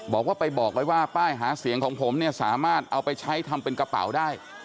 บอกว่าไปบอกไว้ว่าป้ายหาเสียงของผมเนี่ยสามารถเอาไปใช้ทำเป็นกระเป๋าได้